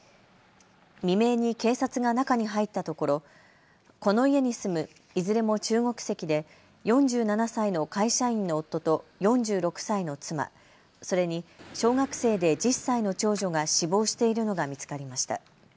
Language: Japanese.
未明に警察が中に入ったところこの家に住むいずれも中国籍で４７歳の会社員の夫と４６歳の妻、それに小学生で１０歳の長女が死亡しているのが見つかりました。